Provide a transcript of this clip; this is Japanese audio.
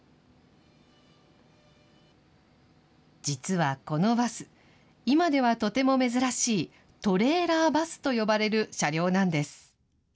実はこのバス、今ではとても珍しい、トレーラーバスと呼ばれる車両なんです。